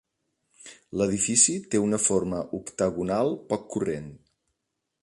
L'edifici té una forma octagonal poc corrent.